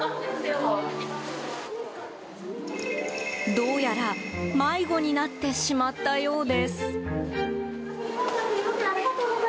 どうやら迷子になってしまったようです。